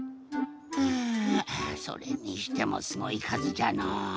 はぁそれにしてもすごいかずじゃのう。